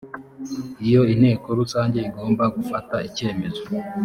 iyo inteko rusange igomba gufata icyemezo